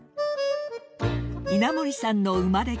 稲盛さんの生まれ